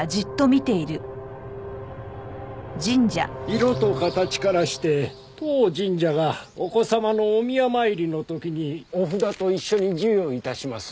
色と形からして当神社がお子様のお宮参りの時にお札と一緒に授与致します